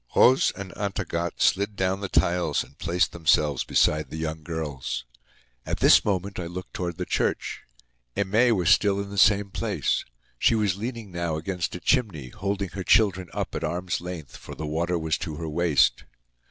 Rose and Aunt Agathe slid down the tiles and placed themselves beside the young girls. At this moment I looked toward the church. Aimee was still in the same place. She was leaning now against a chimney, holding her children up at arm's length, for the water was to her waist.